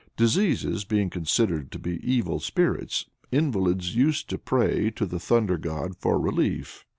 Diseases being considered to be evil spirits, invalids used to pray to the thunder god for relief.